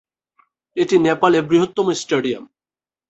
এটি নেপালে বৃহত্তম স্টেডিয়াম।